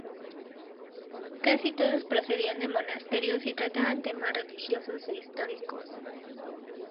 Casi todos procedían de monasterios y trataban temas religiosos e históricos.